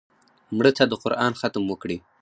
مړه ته د قرآن ختم وکړې